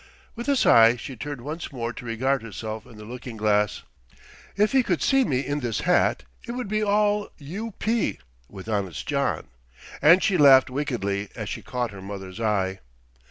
With a sigh she turned once more to regard herself in the looking glass. "If he could see me in this hat, it would be all 'u.p.' with Honest John;" and she laughed wickedly as she caught her mother's eye.